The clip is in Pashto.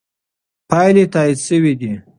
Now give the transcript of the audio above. پایلې تایید شوې دي.